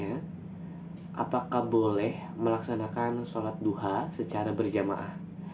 apakah boleh melaksanakan sholat duha secara berjamaah